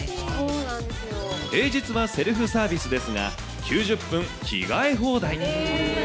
平日はセルフサービスですが、９０分着替え放題。